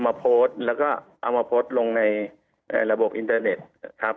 มาโพสต์แล้วก็เอามาโพสต์ลงในระบบอินเตอร์เน็ตครับ